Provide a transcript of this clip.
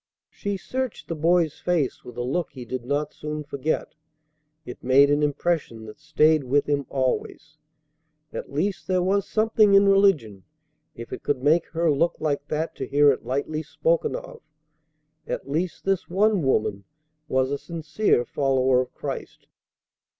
She searched the boy's face with a look he did not soon forget. It made an impression that stayed with him always. At least, there was something in religion if it could make her look like that to hear it lightly spoken of. At least this one woman was a sincere follower of Christ.